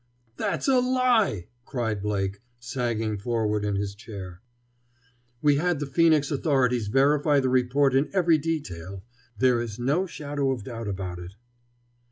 "That's a lie!" cried Blake, sagging forward in his chair. "We had the Phœnix authorities verify the report in every detail. There is no shadow of doubt about it."